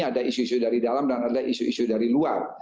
ada isu isu dari dalam dan ada isu isu dari luar